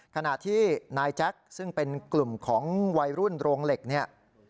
ขณะที่นายแจ็คซึ่งเป็นกลุ่มของวัยรุ่นโรงเหล็กเนี่ย